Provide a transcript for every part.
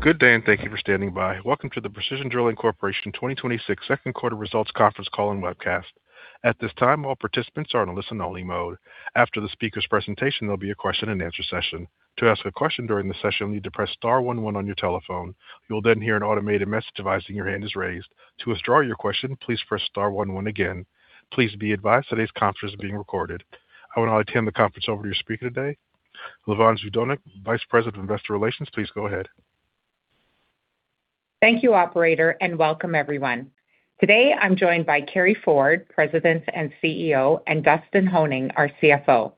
Good day, and thank you for standing by. Welcome to the Precision Drilling Corporation 2026 Second Quarter Results Conference Call and Webcast. At this time, all participants are in listen only mode. After the speaker's presentation, there will be a question and answer session. To ask a question during the session, you will need to press star one one on your telephone. You will then hear an automated message advising your hand is raised. To withdraw your question, please press star one one again. Please be advised today's conference is being recorded. I would now turn the conference over to your speaker today, Lavon Zdunich, Vice President of Investor Relations. Please go ahead. Thank you, operator, and welcome everyone. Today I am joined by Carey Ford, President and Chief Executive Officer, and Dustin Honing, our Chief Financial Officer.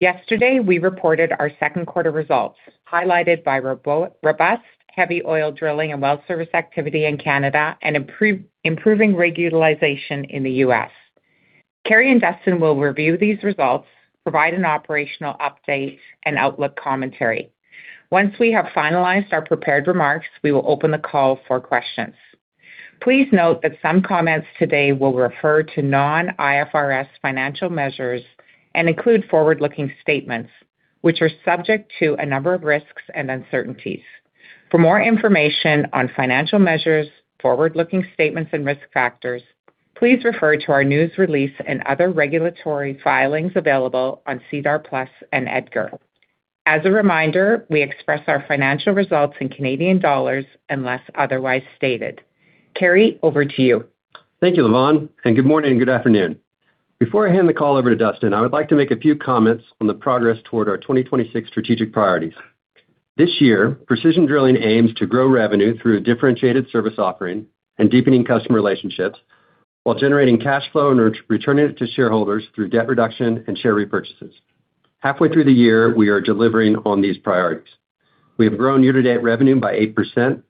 Yesterday, we reported our second quarter results, highlighted by robust heavy oil drilling and well service activity in Canada and improving rig utilization in the U.S. Carey and Dustin will review these results, provide an operational update and outlook commentary. Once we have finalized our prepared remarks, we will open the call for questions. Please note that some comments today will refer to non-IFRS financial measures and include forward-looking statements, which are subject to a number of risks and uncertainties. For more information on financial measures, forward-looking statements and risk factors, please refer to our news release and other regulatory filings available on SEDAR+ and EDGAR. As a reminder, we express our financial results in Canadian dollars unless otherwise stated. Carey, over to you. Thank you, Lavon, and good morning and good afternoon. Before I hand the call over to Dustin, I would like to make a few comments on the progress toward our 2026 strategic priorities. This year, Precision Drilling aims to grow revenue through a differentiated service offering and deepening customer relationships while generating cash flow and returning it to shareholders through debt reduction and share repurchases. Halfway through the year, we are delivering on these priorities. We have grown year-to-date revenue by 8%,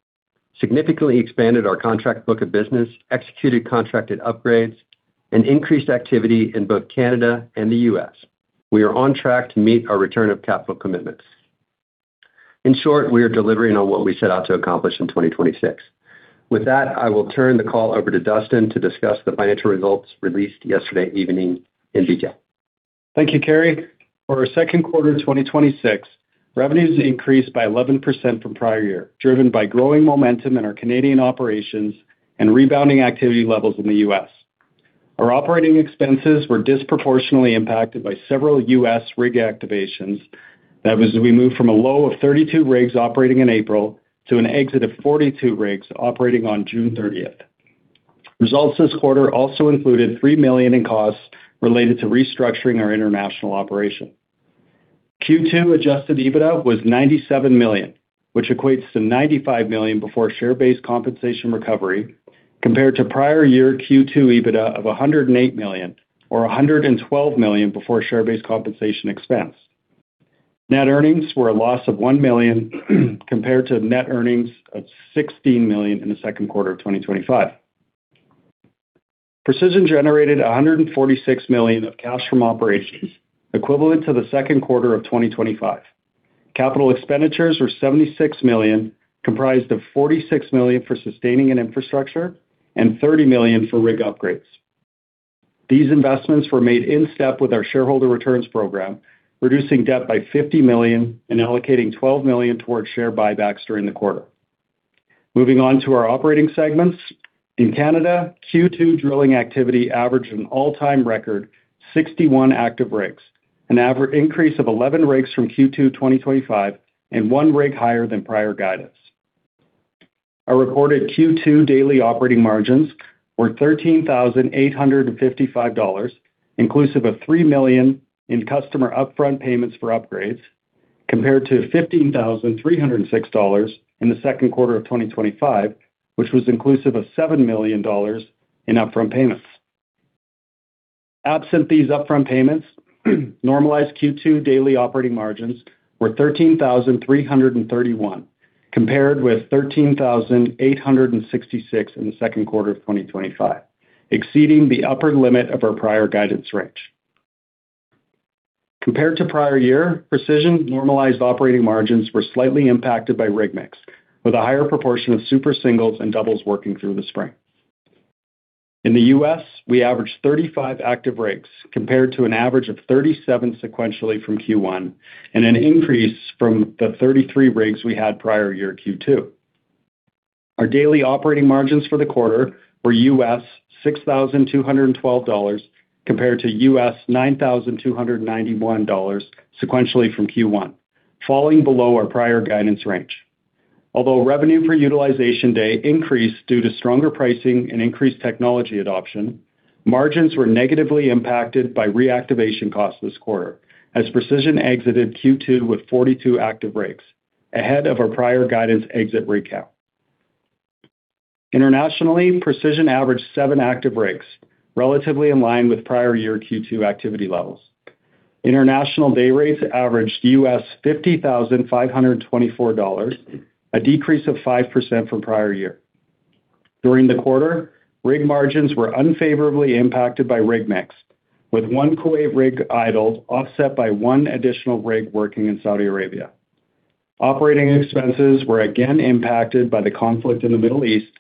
significantly expanded our contract book of business, executed contracted upgrades and increased activity in both Canada and the U.S. We are on track to meet our return of capital commitments. In short, we are delivering on what we set out to accomplish in 2026. With that, I will turn the call over to Dustin to discuss the financial results released yesterday evening in detail. Thank you, Carey. For our second quarter 2026, revenues increased by 11% from prior year, driven by growing momentum in our Canadian operations and rebounding activity levels in the U.S. Our operating expenses were disproportionately impacted by several U.S. rig activations. That was, we moved from a low of 32 rigs operating in April to an exit of 42 rigs operating on June 30th. Results this quarter also included 3 million in costs related to restructuring our international operation. Q2 adjusted EBITDA was 97 million, which equates to 95 million before share-based compensation recovery, compared to prior year Q2 EBITDA of 108 million or 112 million before share-based compensation expense. Net earnings were a loss of 1 million compared to net earnings of 16 million in the second quarter of 2025. Precision generated 146 million of cash from operations, equivalent to the second quarter of 2025. Capital expenditures were 76 million, comprised of 46 million for sustaining and infrastructure and 30 million for rig upgrades. These investments were made in step with our shareholder returns program, reducing debt by 50 million and allocating 12 million towards share buybacks during the quarter. Moving on to our operating segments. In Canada, Q2 drilling activity averaged an all-time record 61 active rigs, an increase of 11 rigs from Q2 2025 and one rig higher than prior guidance. Our reported Q2 daily operating margins were 13,855 dollars, inclusive of 3 million in customer upfront payments for upgrades, compared to 15,306 dollars in the second quarter of 2025, which was inclusive of 7 million dollars in upfront payments. Absent these upfront payments, normalized Q2 daily operating margins were 13,331, compared with 13,866 in the second quarter of 2025, exceeding the upper limit of our prior guidance range. Compared to prior year, Precision normalized operating margins were slightly impacted by rig mix, with a higher proportion of Super Singles and doubles working through the spring. In the U.S., we averaged 35 active rigs, compared to an average of 37 sequentially from Q1 and an increase from the 33 rigs we had prior year Q2. Our daily operating margins for the quarter were 6,212 dollars, compared to 9,291 dollars sequentially from Q1, falling below our prior guidance range. Although revenue per utilization day increased due to stronger pricing and increased technology adoption, margins were negatively impacted by reactivation costs this quarter as Precision exited Q2 with 42 active rigs, ahead of our prior guidance exit rig count. Internationally, Precision averaged seven active rigs, relatively in line with prior year Q2 activity levels. International day rates averaged 50,524 dollars, a decrease of 5% from prior year. During the quarter, rig margins were unfavorably impacted by rig mix, with one Kuwait rig idled, offset by one additional rig working in Saudi Arabia. Operating expenses were again impacted by the conflict in the Middle East,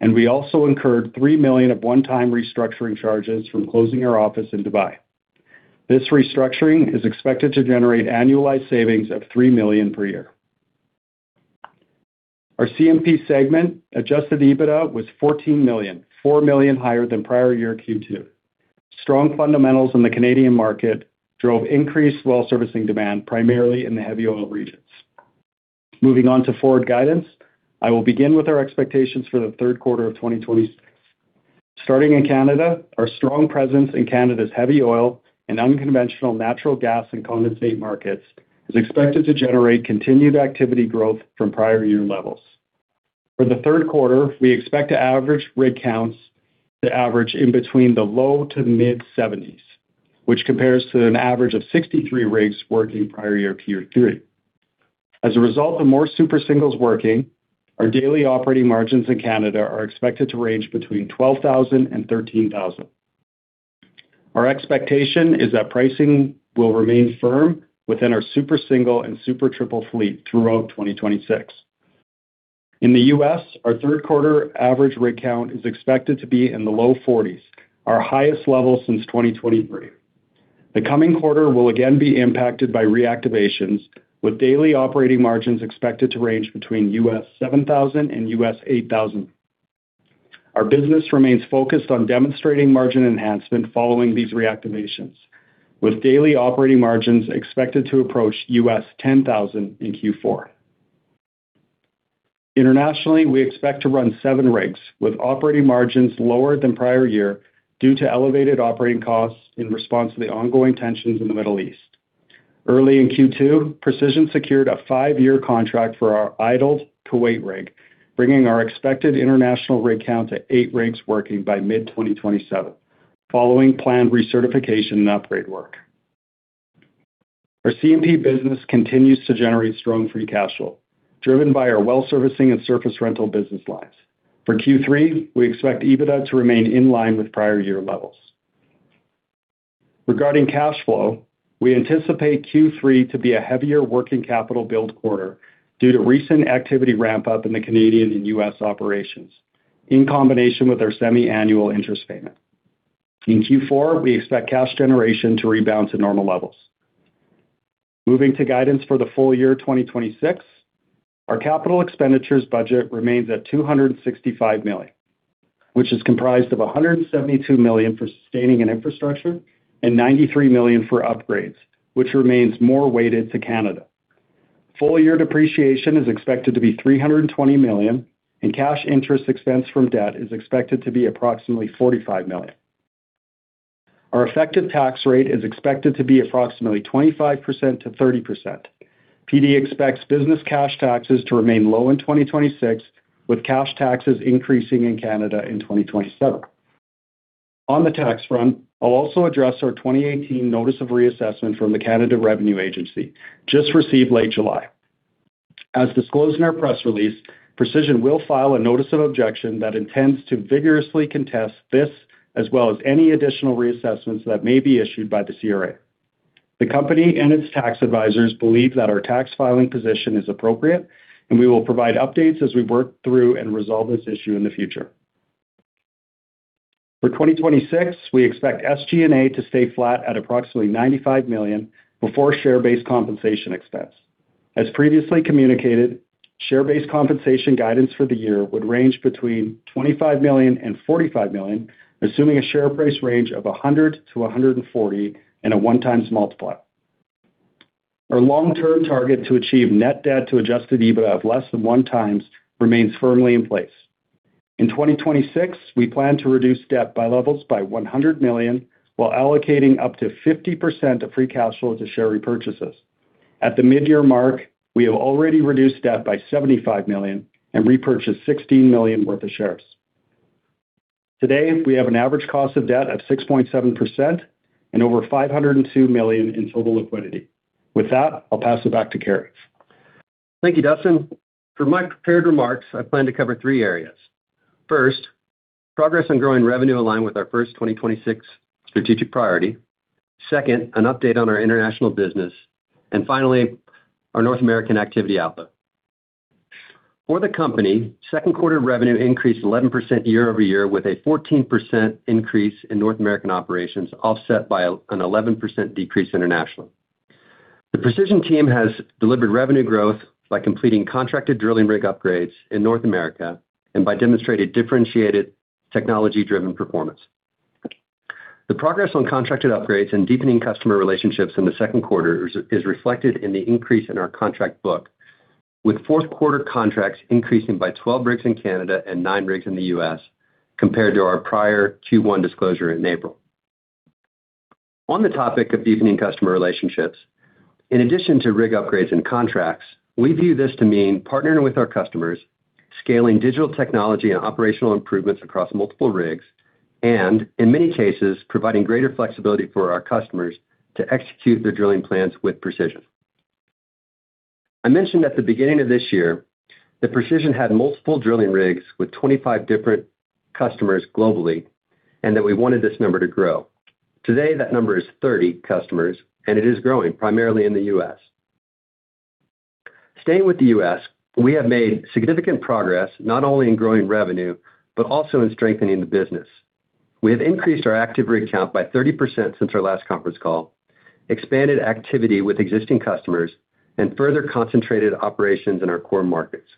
and we also incurred 3 million of one-time restructuring charges from closing our office in Dubai. This restructuring is expected to generate annualized savings of 3 million per year. Our CMP segment adjusted EBITDA was 14 million, 4 million higher than prior year Q2. Strong fundamentals in the Canadian market drove increased well servicing demand, primarily in the heavy oil regions. Moving on to forward guidance, I will begin with our expectations for the third quarter of 2026. Starting in Canada, our strong presence in Canada's heavy oil and unconventional natural gas and condensate markets is expected to generate continued activity growth from prior year levels. For the third quarter, we expect to average rig counts to average in between the low to the mid-70s, which compares to an average of 63 rigs working prior year Q3. As a result of more Super Singles working, our daily operating margins in Canada are expected to range between 12,000-13,000. Our expectation is that pricing will remain firm within our Super Single and Super Triple fleet throughout 2026. In the U.S., our third quarter average rig count is expected to be in the low 40s, our highest level since 2023. The coming quarter will again be impacted by reactivations, with daily operating margins expected to range between $7,000-$8,000. Our business remains focused on demonstrating margin enhancement following these reactivations, with daily operating margins expected to approach $10,000 in Q4. Internationally, we expect to run seven rigs with operating margins lower than prior year due to elevated operating costs in response to the ongoing tensions in the Middle East. Early in Q2, Precision secured a five-year contract for our idled Kuwait rig, bringing our expected international rig count to eight rigs working by mid-2027, following planned recertification and upgrade work. Our CMP business continues to generate strong free cash flow, driven by our well servicing and surface rental business lines. For Q3, we expect EBITDA to remain in line with prior year levels. Regarding cash flow, we anticipate Q3 to be a heavier working capital build quarter due to recent activity ramp-up in the Canadian and U.S. operations, in combination with our semi-annual interest payment. In Q4, we expect cash generation to rebound to normal levels. Moving to guidance for the full year 2026, our capital expenditures budget remains at 265 million, which is comprised of 172 million for sustaining and infrastructure and 93 million for upgrades, which remains more weighted to Canada. Full-year depreciation is expected to be 320 million, and cash interest expense from debt is expected to be approximately 45 million. Our effective tax rate is expected to be approximately 25%-30%. PD expects business cash taxes to remain low in 2026, with cash taxes increasing in Canada in 2027. On the tax front, I'll also address our 2018 notice of reassessment from the Canada Revenue Agency, just received late July. As disclosed in our press release, Precision will file a notice of objection that intends to vigorously contest this, as well as any additional reassessments that may be issued by the CRA. The company and its tax advisors believe that our tax filing position is appropriate. We will provide updates as we work through and resolve this issue in the future. For 2026, we expect SG&A to stay flat at approximately 95 million before share-based compensation expense. As previously communicated, share-based compensation guidance for the year would range between 25 million and 45 million, assuming a share price range of 100-140 and a one times multiplier. Our long-term target to achieve net debt to adjusted EBITDA of less than one times remains firmly in place. In 2026, we plan to reduce debt by levels by 100 million while allocating up to 50% of free cash flow to share repurchases. At the mid-year mark, we have already reduced debt by 75 million and repurchased 16 million worth of shares. Today, we have an average cost of debt of 6.7% and over 502 million in total liquidity. With that, I'll pass it back to Carey. Thank you, Dustin. For my prepared remarks, I plan to cover three areas. First, progress on growing revenue in line with our first 2026 strategic priority. Second, an update on our international business. Finally, our North American activity outlook. For the company, second quarter revenue increased 11% year-over-year with a 14% increase in North American operations, offset by an 11% decrease internationally. The Precision team has delivered revenue growth by completing contracted drilling rig upgrades in North America and by demonstrating differentiated technology-driven performance. The progress on contracted upgrades and deepening customer relationships in the second quarter is reflected in the increase in our contract book, with fourth quarter contracts increasing by 12 rigs in Canada and nine rigs in the U.S. compared to our prior Q1 disclosure in April. On the topic of deepening customer relationships, in addition to rig upgrades and contracts, we view this to mean partnering with our customers, scaling digital technology and operational improvements across multiple rigs, and in many cases, providing greater flexibility for our customers to execute their drilling plans with Precision. I mentioned at the beginning of this year that Precision had multiple drilling rigs with 25 different customers globally and that we wanted this number to grow. Today, that number is 30 customers, and it is growing primarily in the U.S. Staying with the U.S., we have made significant progress not only in growing revenue, but also in strengthening the business. We have increased our active rig count by 30% since our last conference call, expanded activity with existing customers, and further concentrated operations in our core markets.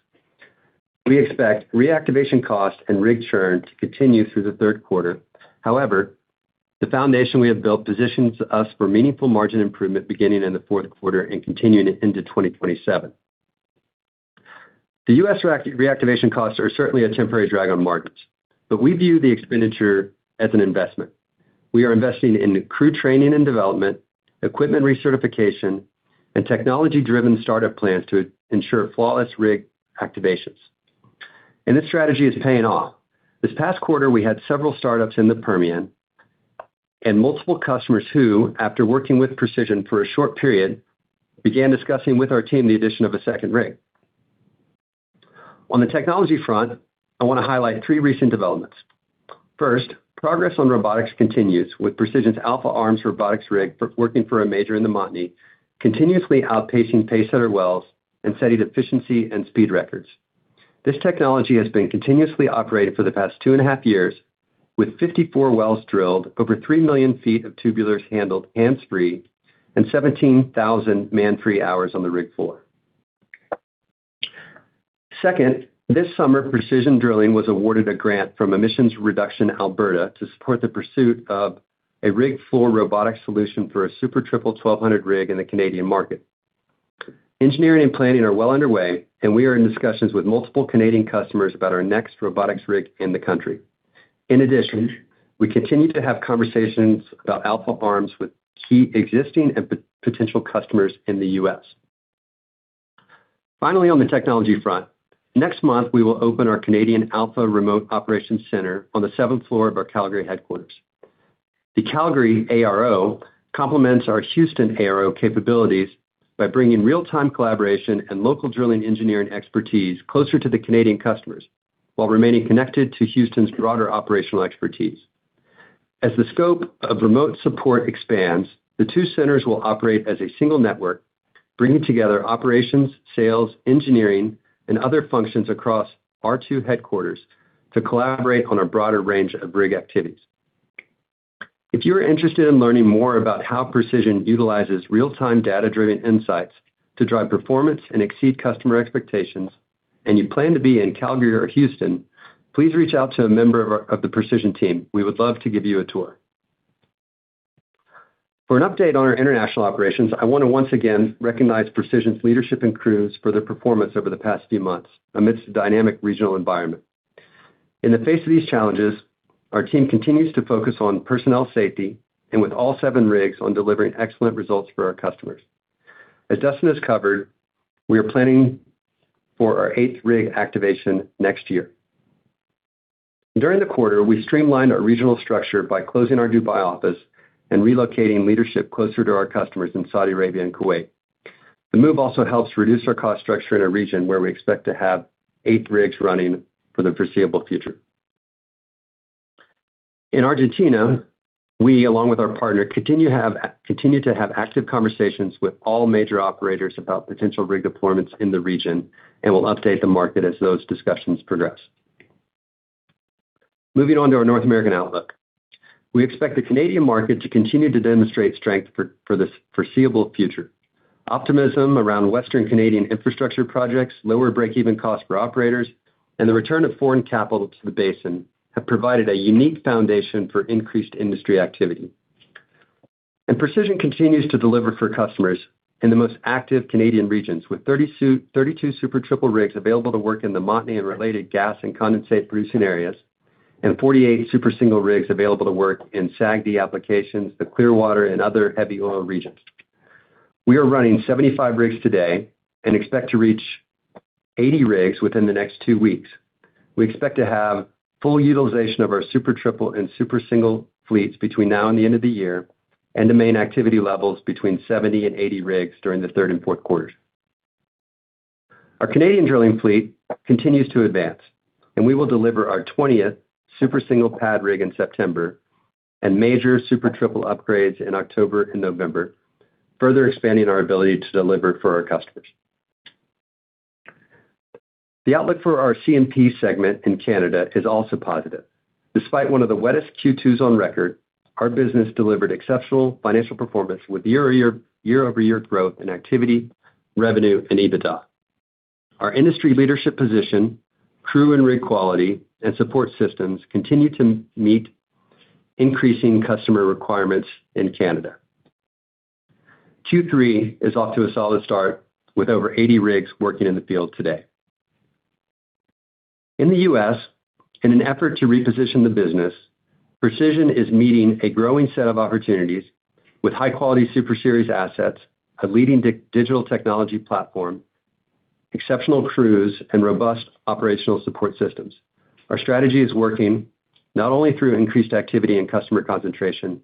We expect reactivation costs and rig churn to continue through the third quarter. The foundation we have built positions us for meaningful margin improvement beginning in the fourth quarter and continuing into 2027. The U.S. reactivation costs are certainly a temporary drag on margins, but we view the expenditure as an investment. We are investing in crew training and development, equipment recertification, and technology-driven startup plans to ensure flawless rig activations. This strategy is paying off. This past quarter, we had several startups in the Permian and multiple customers who, after working with Precision for a short period, began discussing with our team the addition of a second rig. On the technology front, I want to highlight three recent developments. First, progress on robotics continues with Precision's AlphaARMS robotics rig working for a major in the Montney, continuously outpacing pacesetter wells and setting efficiency and speed records. This technology has been continuously operated for the past two and a half years with 54 wells drilled, over 3,000,000 ft of tubulars handled hands-free, and 17,000 man-free hours on the rig floor. Second, this summer, Precision Drilling was awarded a grant from Emissions Reduction Alberta to support the pursuit of a rig floor robotics solution for a Super Triple 1200 rig in the Canadian market. Engineering and planning are well underway, and we are in discussions with multiple Canadian customers about our next robotics rig in the country. In addition, we continue to have conversations about AlphaARMS with key existing and potential customers in the U.S. Finally, on the technology front, next month, we will open our Canadian Alpha Remote Operations Center on the seventh floor of our Calgary headquarters. The Calgary ARO complements our Houston ARO capabilities by bringing real-time collaboration and local drilling engineering expertise closer to the Canadian customers while remaining connected to Houston's broader operational expertise. As the scope of remote support expands, the two centers will operate as a single network, bringing together operations, sales, engineering, and other functions across our two headquarters to collaborate on a broader range of rig activities. If you are interested in learning more about how Precision utilizes real-time data-driven insights to drive performance and exceed customer expectations, and you plan to be in Calgary or Houston, please reach out to a member of the Precision team. We would love to give you a tour. For an update on our international operations, I want to once again recognize Precision's leadership and crews for their performance over the past few months amidst a dynamic regional environment. In the face of these challenges, our team continues to focus on personnel safety and with all seven rigs on delivering excellent results for our customers. As Dustin has covered, we are planning for our eighth rig activation next year. During the quarter, we streamlined our regional structure by closing our Dubai office and relocating leadership closer to our customers in Saudi Arabia and Kuwait. The move also helps reduce our cost structure in a region where we expect to have eight rigs running for the foreseeable future. In Argentina, we, along with our partner, continue to have active conversations with all major operators about potential rig deployments in the region and will update the market as those discussions progress. Moving on to our North American outlook. We expect the Canadian market to continue to demonstrate strength for the foreseeable future. Optimism around Western-Canadian infrastructure projects lower breakeven cost for operators and the return of foreign capital to the basin have provided a unique foundation for increased industry activity. Precision continues to deliver for customers in the most active Canadian regions with 32 Super Triple rigs available to work in the Montney and related gas and condensate producing areas and 48 Super Single rigs available to work in SAGD applications, the Clearwater, and other heavy oil regions. We are running 75 rigs today and expect to reach 80 rigs within the next two weeks. We expect to have full utilization of our Super Triple and Super Single fleets between now and the end of the year and to maintain activity levels between 70 and 80 rigs during the third and fourth quarters. Our Canadian drilling fleet continues to advance. We will deliver our 20th Super Single pad rig in September and major Super Triple upgrades in October and November, further expanding our ability to deliver for our customers. The outlook for our CMP segment in Canada is also positive. Despite one of the wettest Q2s on record, our business delivered exceptional financial performance with year-over-year growth in activity, revenue, and EBITDA. Our industry leadership position, crew and rig quality, and support systems continue to meet increasing customer requirements in Canada. Q3 is off to a solid start with over 80 rigs working in the field today. In the U.S., in an effort to reposition the business, Precision is meeting a growing set of opportunities with high-quality Super Series assets, a leading digital technology platform, exceptional crews, and robust operational support systems. Our strategy is working not only through increased activity and customer concentration,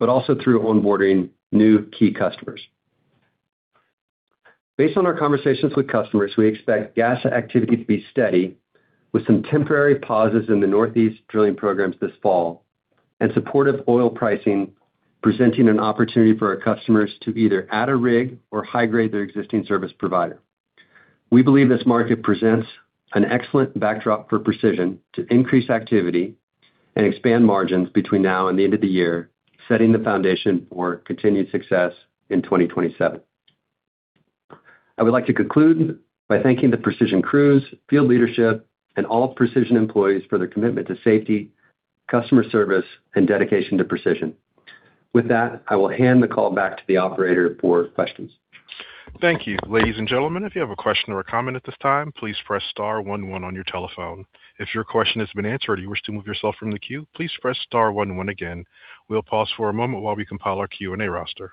but also through onboarding new key customers. Based on our conversations with customers, we expect gas activity to be steady with some temporary pauses in the Northeast drilling programs this fall. Supportive oil pricing presenting an opportunity for our customers to either add a rig or high grade their existing service provider. We believe this market presents an excellent backdrop for Precision to increase activity and expand margins between now and the end of the year, setting the foundation for continued success in 2027. I would like to conclude by thanking the Precision crews, field leadership, and all Precision employees for their commitment to safety, customer service, and dedication to Precision. With that, I will hand the call back to the Operator for questions. Thank you. Ladies and gentlemen, if you have a question or a comment at this time, please press star one one on your telephone. If your question has been answered or you wish to move yourself from the queue, please press star one one again. We'll pause for a moment while we compile our Q&A roster.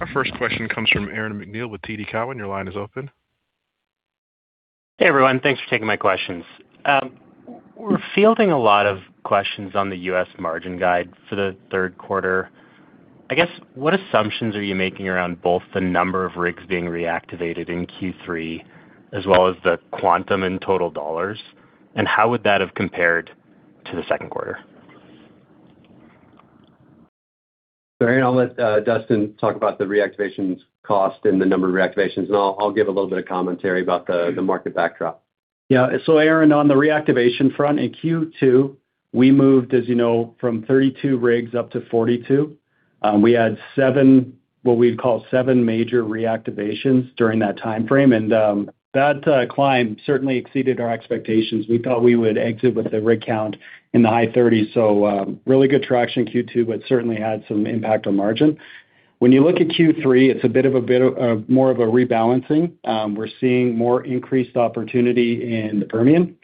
Our first question comes from Aaron MacNeil with TD Cowen. Your line is open. Hey, everyone. Thanks for taking my questions. We're fielding a lot of questions on the U.S. margin guide for the third quarter. I guess, what assumptions are you making around both the number of rigs being reactivated in Q3 as well as the quantum in total dollars, and how would that have compared to the second quarter? Sorry, I'll let Dustin talk about the reactivations cost and the number of reactivations, and I'll give a little bit of commentary about the market backdrop. Yeah. Aaron, on the reactivation front, in Q2, we moved, as you know, from 32 rigs up to 42. We had seven, what we'd call seven major reactivations during that timeframe, that climb certainly exceeded our expectations. We thought we would exit with the rig count in the high thirties, really good traction in Q2, but certainly had some impact on margin. When you look at Q3, it's a bit of a more of a rebalancing. We're seeing more increased opportunity in the Permian.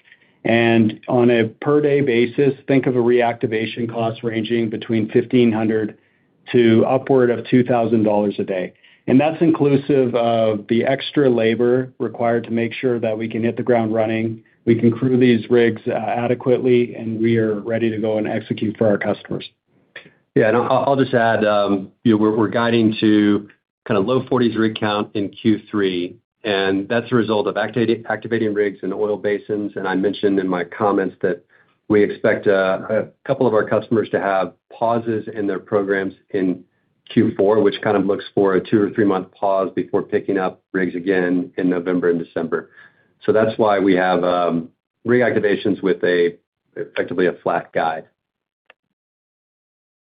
On a per-day basis, think of a reactivation cost ranging between 1,500 to upward of 2,000 dollars a day. That's inclusive of the extra labor required to make sure that we can hit the ground running, we can crew these rigs adequately, and we are ready to go and execute for our customers. Yeah, I'll just add, you know, we're guiding to kinda low forties rig count in Q3, and that's a result of activating rigs in oil basins. I mentioned in my comments that we expect a couple of our customers to have pauses in their programs in Q4, which kind of looks for a two or three-month pause before picking up rigs again in November and December. That's why we have reactivations with effectively a flat guide.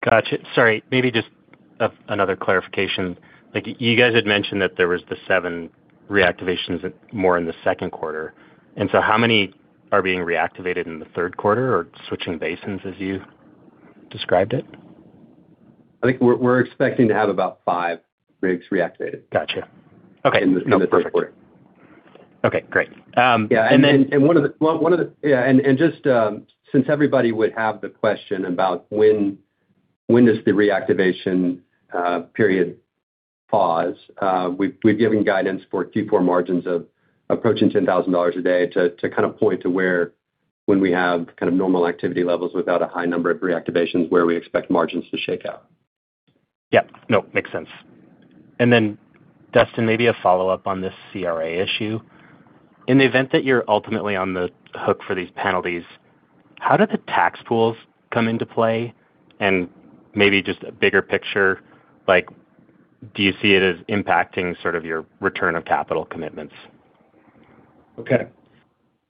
Gotcha. Sorry, maybe just another clarification. Like, you guys had mentioned that there was the seven reactivations more in the second quarter. How many are being reactivated in the third quarter or switching basins as you described it? I think we're expecting to have about five rigs reactivated. Gotcha. Okay. No, perfect. In the third quarter. Okay, great. Since everybody would have the question about when does the reactivation period pause, we've given guidance for Q4 margins of approaching 10,000 dollars a day to kind of point to where when we have kind of normal activity levels without a high number of reactivations where we expect margins to shake out. Makes sense. Dustin, maybe a follow-up on this CRA issue. In the event that you're ultimately on the hook for these penalties, how do the tax pools come into play? Maybe just a bigger picture, like, do you see it as impacting sort of your return of capital commitments?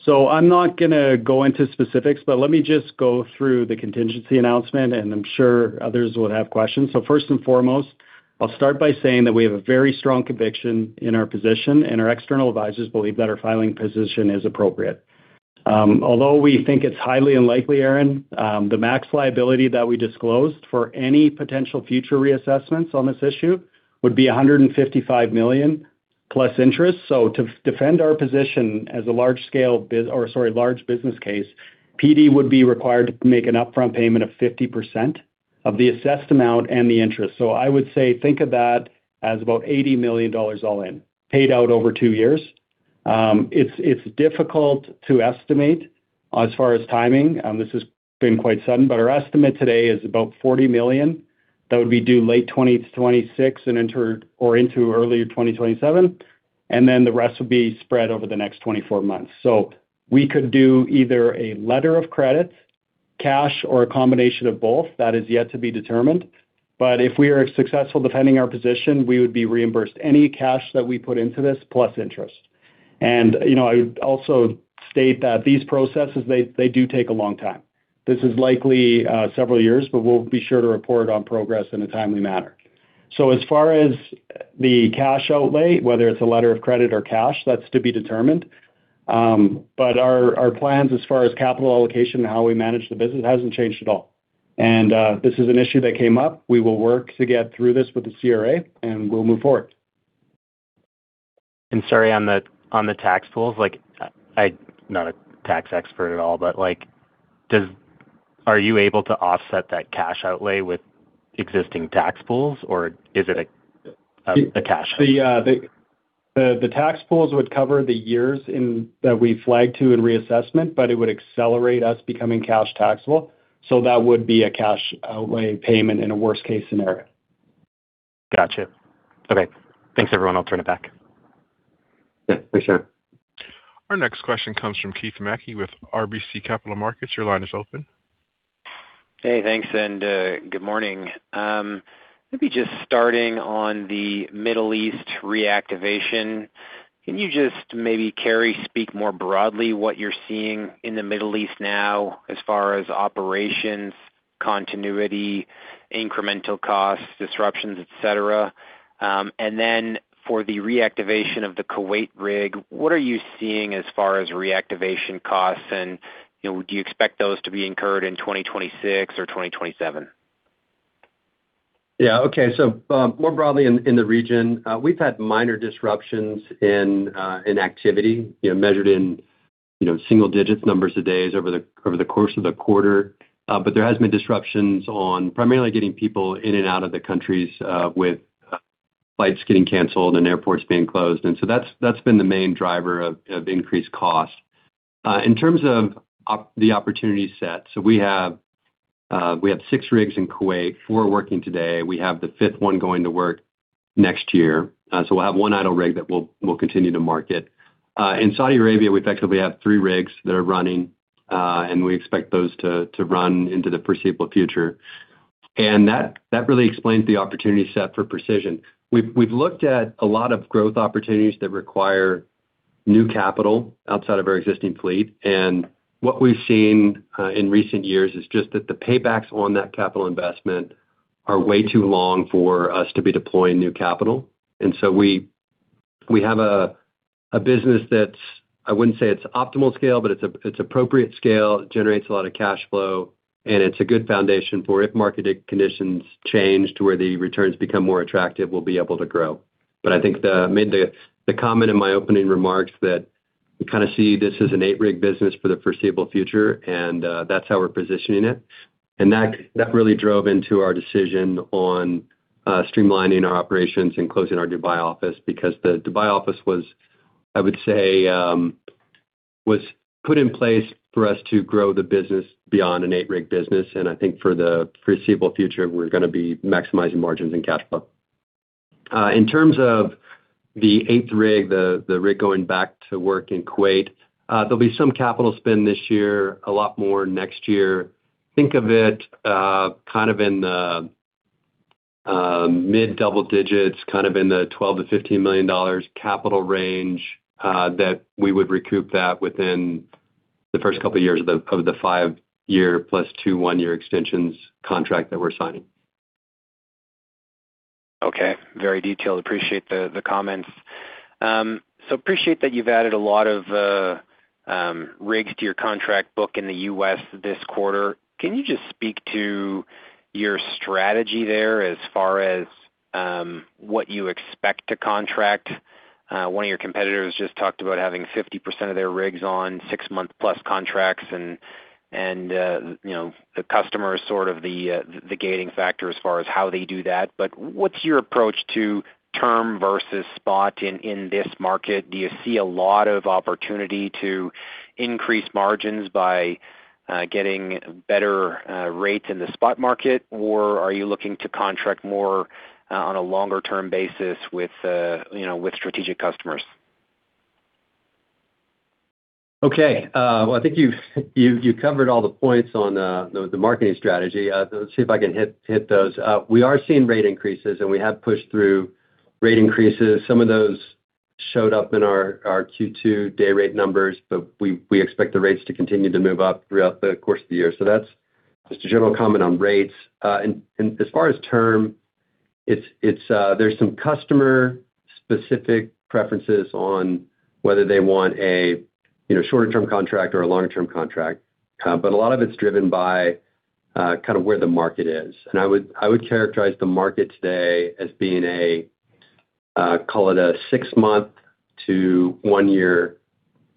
I'm not going to go into specifics, but let me just go through the contingency announcement. I'm sure others would have questions. First and foremost, I'll start by saying that we have a very strong conviction in our position. Our external advisors believe that our filing position is appropriate. Although we think it's highly unlikely, Aaron, the max liability that we disclosed for any potential future reassessments on this issue would be 155 million plus interest. To defend our position as a large scale business case, PD would be required to make an upfront payment of 50% of the assessed amount and the interest. I would say think of that as about 80 million dollars all in, paid out over two years. It's difficult to estimate as far as timing, this has been quite sudden, but our estimate today is about 40 million. That would be due late 2026 or into early 2027, the rest would be spread over the next 24 months. We could do either a letter of credit, cash, or a combination of both. That is yet to be determined. If we are successful defending our position, we would be reimbursed any cash that we put into this plus interest. You know, I would also state that these processes, they do take a long time. This is likely several years, but we'll be sure to report on progress in a timely manner. As far as the cash outlay, whether it's a letter of credit or cash, that's to be determined. Our plans as far as capital allocation and how we manage the business hasn't changed at all. This is an issue that came up. We will work to get through this with the CRA, and we'll move forward. Sorry, on the tax pools, like I'm not a tax expert at all, are you able to offset that cash outlay with existing tax pools, or is it a cash outlay? The tax pools would cover the years in, that we flag to in reassessment, but it would accelerate us becoming cash taxable, that would be a cash outlay payment in a worst case scenario. Gotcha. Okay. Thanks, everyone. I'll turn it back. Yeah, for sure. Our next question comes from Keith Mackey with RBC Capital Markets. Your line is open. Hey, thanks. Good morning. Maybe just starting on the Middle East reactivation, can you just maybe, Carey, speak more broadly what you're seeing in the Middle East now as far as operations, continuity, incremental costs, disruptions, et cetera? Then for the reactivation of the Kuwait rig, what are you seeing as far as reactivation costs, and do you expect those to be incurred in 2026 or 2027? Yeah. Okay. More broadly in the region, we've had minor disruptions in activity, measured in single-digit numbers of days over the course of the quarter. There has been disruptions on primarily getting people in and out of the countries with flights getting canceled and airports being closed. That's been the main driver of increased cost. In terms of the opportunity set, we have six rigs in Kuwait, four working today. We have the fifth one going to work next year. We'll have one idle rig that we'll continue to market. In Saudi Arabia, we effectively have three rigs that are running, and we expect those to run into the foreseeable future. That really explains the opportunity set for Precision. We've looked at a lot of growth opportunities that require new capital outside of our existing fleet. What we've seen in recent years is just that the paybacks on that capital investment are way too long for us to be deploying new capital. We have a business that's, I wouldn't say it's optimal scale, but it's appropriate scale. It generates a lot of cash flow, and it's a good foundation for if market conditions change to where the returns become more attractive, we'll be able to grow. I think I made the comment in my opening remarks that we kind of see this as an eight-rig business for the foreseeable future, and that's how we're positioning it. That really drove into our decision on streamlining our operations and closing our Dubai office, because the Dubai office was, I would say, was put in place for us to grow the business beyond an eight-rig business. I think for the foreseeable future, we're going to be maximizing margins and cash flow. In terms of the eighth rig, the rig going back to work in Kuwait, there'll be some capital spend this year, a lot more next year. Think of it kind of in the mid-double digits, kind of in the 12 million-15 million dollars capital range, that we would recoup that within the first couple of years of the five-year plus two one-year extensions contract that we're signing. Okay. Very detailed. Appreciate the comments. Appreciate that you've added a lot of rigs to your contract book in the U.S. this quarter. Can you just speak to your strategy there as far as what you expect to contract? One of your competitors just talked about having 50% of their rigs on six-month-plus contracts, and the customer is sort of the gating factor as far as how they do that. What's your approach to term versus spot in this market? Do you see a lot of opportunity to increase margins by getting better rates in the spot market, or are you looking to contract more on a longer-term basis with strategic customers? Okay. I think you've covered all the points on the marketing strategy. Let's see if I can hit those. We are seeing rate increases, and we have pushed through rate increases. Some of those showed up in our Q2 day rate numbers, we expect the rates to continue to move up throughout the course of the year. That's just a general comment on rates. As far as term, there's some customer-specific preferences on whether they want a shorter-term contract or a longer-term contract. A lot of it's driven by where the market is. I would characterize the market today as being a, call it a six-month to one-year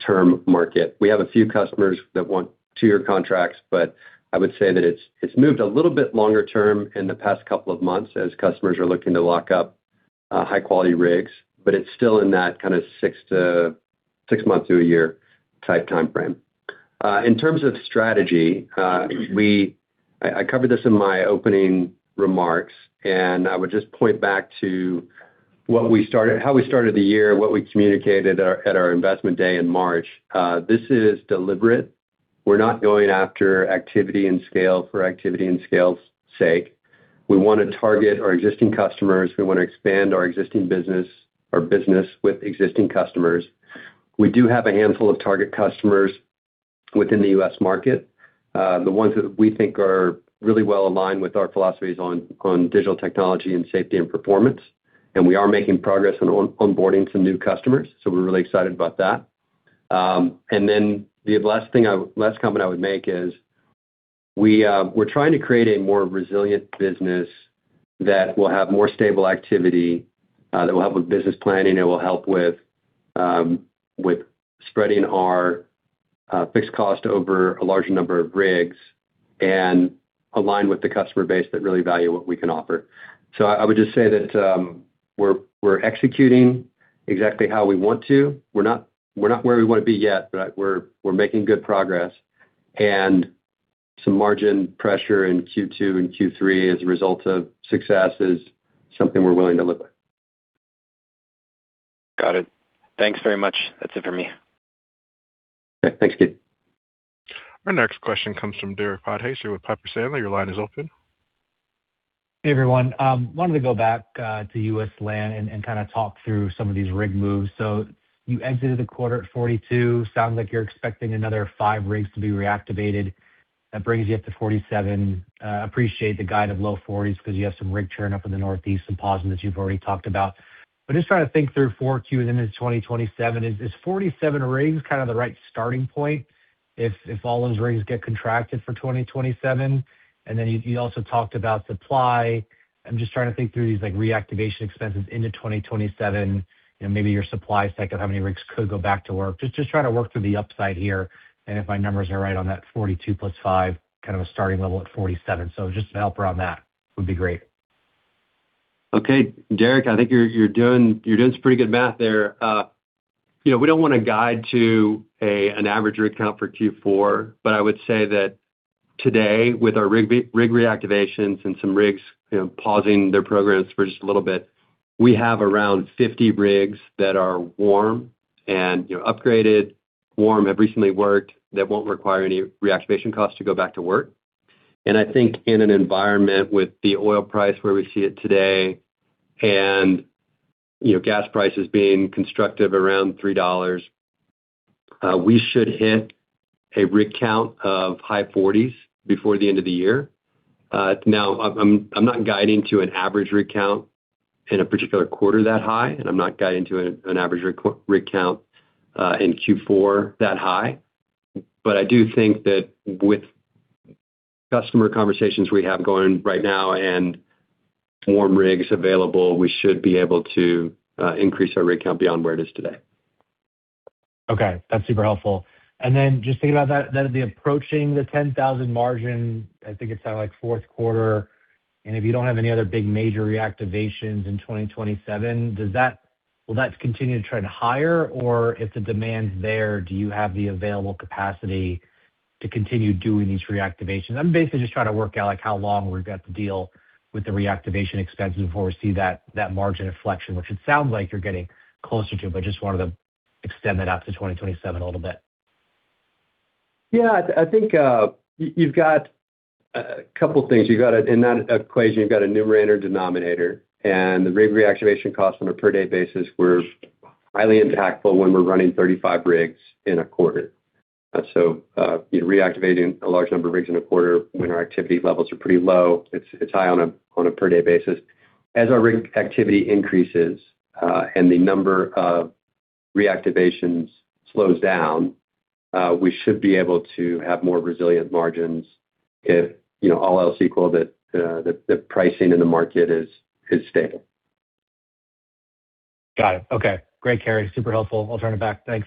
term market. We have a few customers that want two-year contracts, but I would say that it's moved a little bit longer term in the past couple of months as customers are looking to lock up high-quality rigs. It's still in that kind of six months to a year type timeframe. In terms of strategy, I covered this in my opening remarks. I would just point back to how we started the year, what we communicated at our investment day in March. This is deliberate. We're not going after activity and scale for activity and scale's sake. We want to target our existing customers. We want to expand our existing business, our business with existing customers. We do have a handful of target customers within the U.S. market. The ones that we think are really well-aligned with our philosophies on digital technology and safety and performance. We are making progress on onboarding some new customers. We're really excited about that. The last comment I would make is, we're trying to create a more resilient business that will have more stable activity, that will help with business planning, that will help with spreading our fixed cost over a larger number of rigs, and align with the customer base that really value what we can offer. I would just say that we're executing exactly how we want to. We're not where we want to be yet. We're making good progress. Some margin pressure in Q2 and Q3 as a result of successes, something we're willing to live with. Got it. Thanks very much. That's it for me. Okay, thanks, Keith. Our next question comes from Derek Podhaizer here with Piper Sandler. Your line is open. Hey, everyone. Wanted to go back to U.S. land and kind of talk through some of these rig moves. You exited the quarter at 42. Sounds like you're expecting another five rigs to be reactivated. That brings you up to 47. Appreciate the guide of low 40s because you have some rig churn up in the Northeast, some pausing that you've already talked about. Just trying to think through 4Q and into 2027 is 47 rigs kind of the right starting point if all those rigs get contracted for 2027? You also talked about supply. I'm just trying to think through these, like, reactivation expenses into 2027, you know, maybe your supply stack of how many rigs could go back to work. Just trying to work through the upside here and if my numbers are right on that 42+5, kind of a starting level at 47. Just a helper on that would be great. Okay, Derek, I think you're doing some pretty good math there. You know, we don't want to guide to an average rig count for Q4, but I would say that today, with our rig reactivations and some rigs, you know, pausing their programs for just a little bit, we have around 50 rigs that are warm and, you know, upgraded, warm, have recently worked, that won't require any reactivation costs to go back to work. I think in an environment with the oil price where we see it today and, you know, gas prices being constructive around 3 dollars, we should hit a rig count of high 40s before the end of the year. Now I'm not guiding to an average rig count in a particular quarter that high, and I'm not guiding to an average rig count in Q4 that high. I do think that with customer conversations we have going right now and warm rigs available, we should be able to increase our rig count beyond where it is today. Okay. That's super helpful. Just thinking about that'll be approaching the 10,000 margin, I think it's at, like, fourth quarter. If you don't have any other big major reactivations in 2027, will that continue to trend higher? If the demand's there, do you have the available capacity to continue doing these reactivations? I'm basically just trying to work out, like, how long we've got to deal with the reactivation expenses before we see that margin inflection, which it sounds like you're getting closer to, but just wanted to extend that out to 2027 a little bit. Yeah. I think you've got a couple things. In that equation, you've got a numerator, denominator, and the rig reactivation costs on a per-day basis were highly impactful when we're running 35 rigs in a quarter. You know, reactivating a large number of rigs in a quarter when our activity levels are pretty low, it's high on a per-day basis. As our rig activity increases, and the number of reactivations slows down, we should be able to have more resilient margins if, you know, all else equal that the pricing in the market is stable. Got it. Okay. Great, Carey. Super helpful. I'll turn it back. Thanks.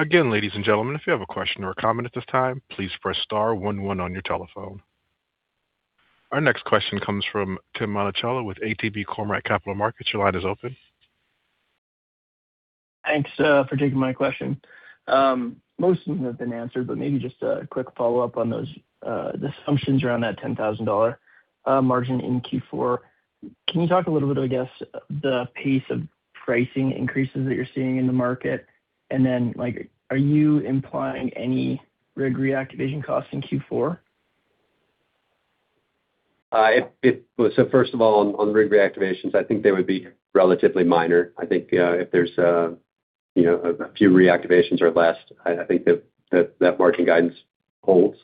Again, ladies and gentlemen, if you have a question or a comment at this time, please press star one one on your telephone. Our next question comes from Tim Monticello with ATB Cormark Capital Markets. Your line is open. Thanks for taking my question. Most of them have been answered, but maybe just a quick follow-up on those, the assumptions around that 10,000 dollar margin in Q4. Can you talk a little bit, I guess, the pace of pricing increases that you're seeing in the market? Like, are you implying any rig reactivation costs in Q4? Well, first of all, on rig reactivations, I think they would be relatively minor. I think, if there's, you know, a few reactivations or less, I think that margin guidance holds.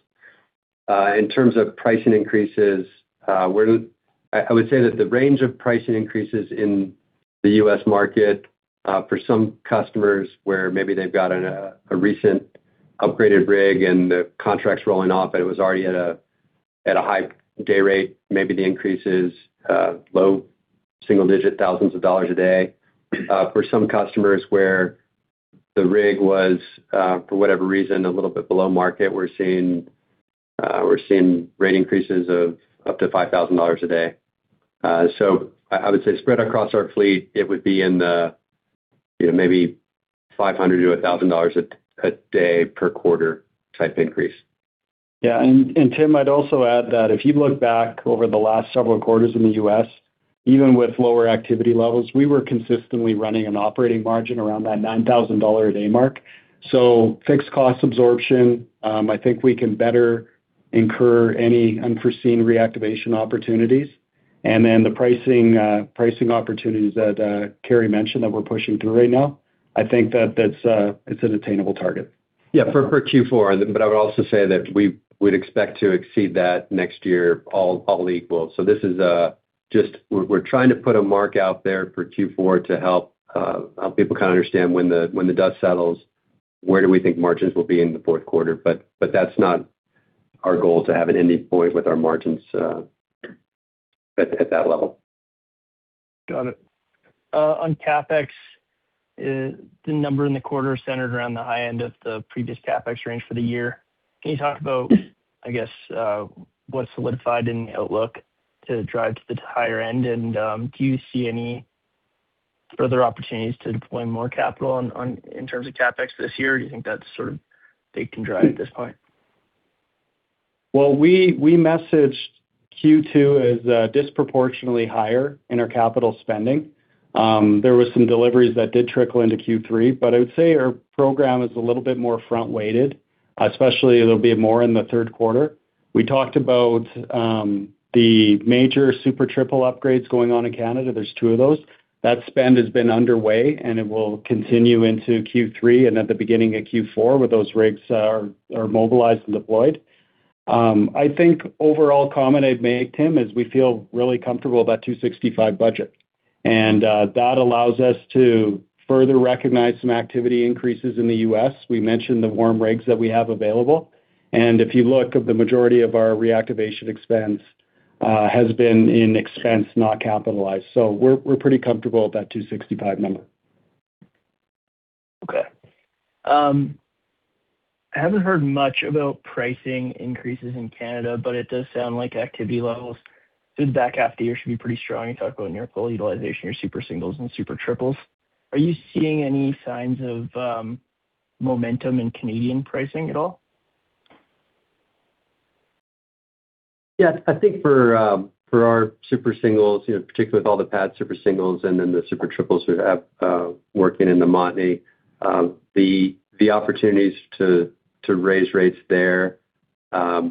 In terms of pricing increases, I would say that the range of pricing increases in the U.S. market, for some customers, where maybe they've got a recent upgraded rig and the contract's rolling off, but it was already at a high day rate, maybe the increase is low single digit thousands of CAD a day. For some customers where the rig was, for whatever reason, a little bit below market, we're seeing rate increases of up to 5,000 dollars a day. I would say spread across our fleet, it would be in the, you know, maybe 500-1,000 dollars a day per quarter type increase. Tim, I'd also add that if you look back over the last several quarters in the U.S., even with lower activity levels, we were consistently running an operating margin around that 9,000 dollar a day mark. Fixed cost absorption, I think we can better incur any unforeseen reactivation opportunities. The pricing opportunities that Carey mentioned that we're pushing through right now, I think that's an attainable target. For Q4. I would also say that we'd expect to exceed that next year, all equal. This is, we're trying to put a mark out there for Q4 to help people kind of understand when the dust settles, where do we think margins will be in the fourth quarter. That's not our goal to have it end with our margins at that level. Got it. On CapEx, the number in the quarter centered around the high end of the previous CapEx range for the year. Can you talk about, I guess, what solidified in the outlook to drive to the higher end? Do you see further opportunities to deploy more capital in terms of CapEx this year? Do you think that's sort of they can drive at this point? We messaged Q2 as disproportionately higher in our capital spending. There was some deliveries that did trickle into Q3, I would say our program is a little bit more front-weighted, especially there'll be more in the third quarter. We talked about the major Super Triple upgrades going on in Canada. There's two of those. That spend has been underway, and it will continue into Q3 and at the beginning of Q4 with those rigs are mobilized and deployed. I think overall comment I'd make, Tim, is we feel really comfortable with that 265 budget, and that allows us to further recognize some activity increases in the U.S. We mentioned the warm rigs that we have available. If you look at the majority of our reactivation expense, has been in expense, not capitalized. We're pretty comfortable at that 265 number. Okay. I haven't heard much about pricing increases in Canada, it does sound like activity levels through the back half of the year should be pretty strong. You talked about in your full utilization, your Super Singles and Super Triples. Are you seeing any signs of momentum in Canadian pricing at all? I think for our Super Singles, particularly with all the pad Super Singles and the Super Triples we have working in the Montney, the opportunities to raise rates there are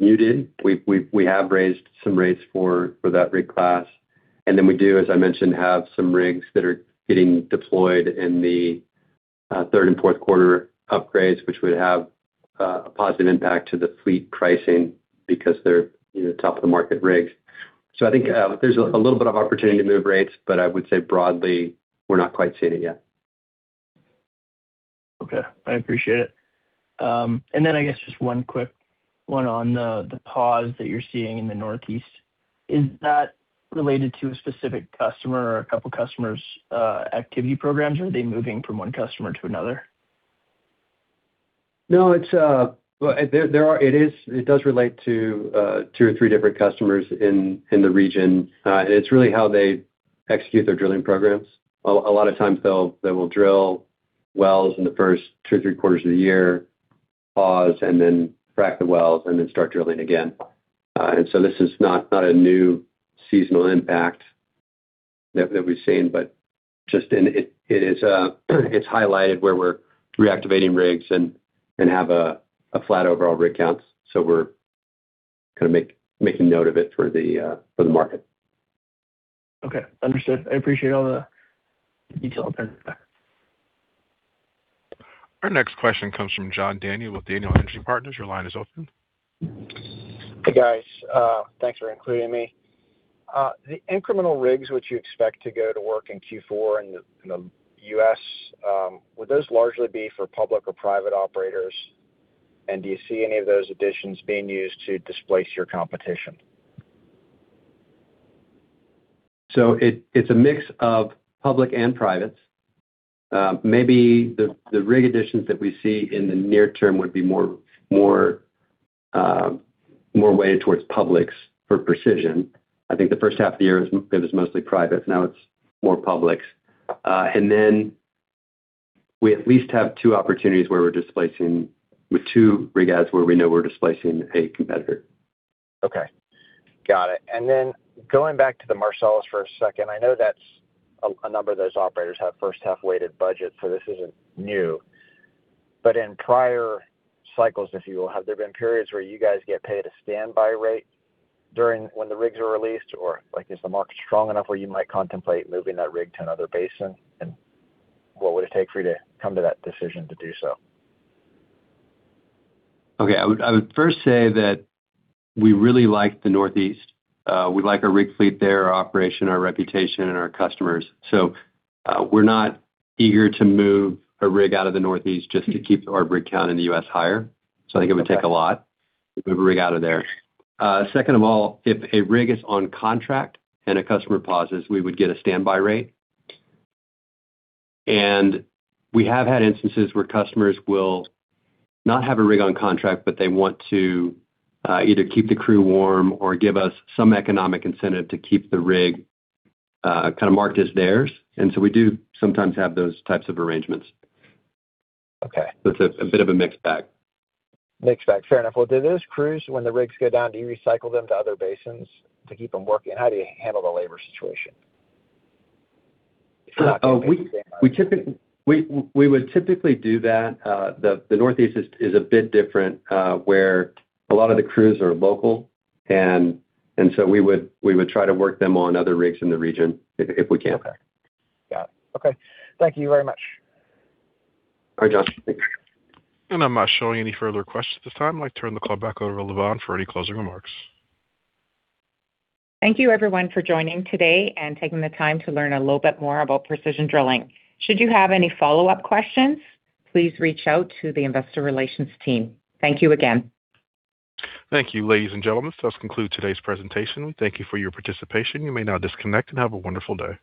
muted. We have raised some rates for that rig class. Then we do, as I mentioned, have some rigs that are getting deployed in the third and fourth quarter upgrades, which would have a positive impact to the fleet pricing because they're top-of-the-market rigs. I think there's a little bit of opportunity to move rates, I would say broadly, we're not quite seeing it yet. Okay. I appreciate it. Then I guess just one quick one on the pause that you're seeing in the Northeast. Is that related to a specific customer or a couple customers' activity programs? Are they moving from one customer to another? No. It does relate to two or three different customers in the region. It's really how they execute their drilling programs. A lot of times, they will drill wells in the first two, three quarters of the year, pause, and then frack the wells and then start drilling again. This is not a new seasonal impact that we've seen, but it's highlighted where we're reactivating rigs and have a flat overall rig counts. We're kind of making note of it for the market. Okay. Understood. I appreciate all the detail on that. Our next question comes from John Daniel with Daniel Energy Partners. Your line is open. Hey, guys. Thanks for including me. The incremental rigs which you expect to go to work in Q4 in the U.S., would those largely be for public or private operators? Do you see any of those additions being used to displace your competition? It's a mix of public and privates. Maybe the rig additions that we see in the near term would be more weighted towards publics for Precision. I think the first half of the year is mostly privates, now it's more publics. We at least have two opportunities where we're displacing with two rig adds where we know we're displacing a competitor. Okay. Got it. Going back to the Marcellus for a second. I know that a number of those operators have first half-weighted budgets, so this isn't new. In prior cycles, if you will, have there been periods where you guys get paid a standby rate during when the rigs are released? Or is the market strong enough where you might contemplate moving that rig to another basin? What would it take for you to come to that decision to do so? Okay. I would first say that we really like the Northeast. We like our rig fleet there, our operation, our reputation, and our customers. We're not eager to move a rig out of the Northeast just to keep our rig count in the U.S. higher. I think it would take a lot to move a rig out of there. Second of all, if a rig is on contract and a customer pauses, we would get a standby rate. We have had instances where customers will not have a rig on contract, but they want to either keep the crew warm or give us some economic incentive to keep the rig kind of marked as theirs. We do sometimes have those types of arrangements. Okay. It's a bit of a mixed bag. Mixed bag. Fair enough. Well, do those crews, when the rigs go down, do you recycle them to other basins to keep them working? How do you handle the labor situation? We would typically do that. The Northeast is a bit different, where a lot of the crews are local, we would try to work them on other rigs in the region if we can. Got it. Okay. Thank you very much. All right. John. I'm not showing any further questions at this time. I'd like to turn the call back over to Lavon for any closing remarks. Thank you everyone for joining today and taking the time to learn a little bit more about Precision Drilling. Should you have any follow-up questions, please reach out to the investor relations team. Thank you again. Thank you, ladies and gentlemen. This does conclude today's presentation. We thank you for your participation. You may now disconnect and have a wonderful day.